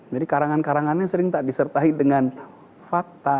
jadi karangan karangannya sering tak disertai dengan fakta